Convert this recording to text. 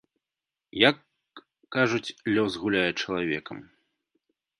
Як, кажуць, лёс гуляе чалавекам.